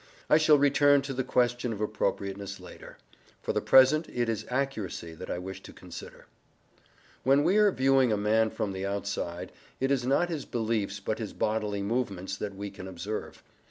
I shall return to the question of appropriateness later; for the present it is accuracy that I wish to consider. When we are viewing a man from the outside, it is not his beliefs, but his bodily movements, that we can observe.